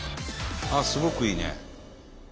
すごくいいね。